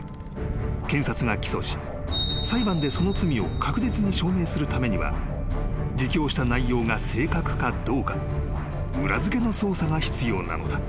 ［検察が起訴し裁判でその罪を確実に証明するためには自供した内容が正確かどうか裏付けの捜査が必要なのだ］